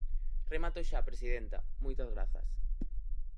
Remato xa, presidenta, moitas grazas.